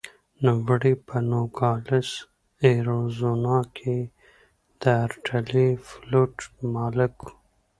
نوموړی په نوګالس اریزونا کې د ارټلي فلوټ مالک و.